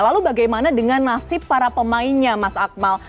lalu bagaimana dengan nasib para pemainnya mas akmal